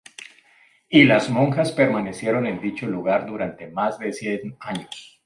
Y las monjas permanecieron en dicho lugar durante más de cien años.